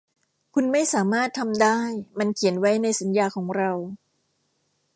คุณไม่สามารถทำได้มันเขียนไว้ในสัญญาของเรา